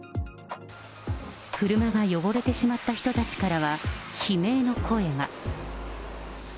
車が汚れてしまった人たちからは、悲鳴の声が。